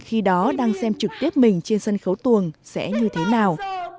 khi đó đang xem trực tiếp mình trên sân khấu tuồng sẽ như thế nào